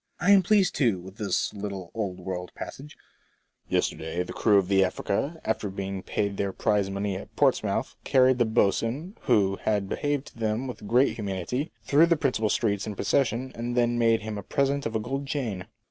I am pleased, too, with this little old world passage :*' Yesterday the crew of the Afiica, after being paid their prize money at Portsmouth, carried the boatswain, who had behaved to them with great humanity, tlirough the principal streets in procession, and then made him a present of a gold chain."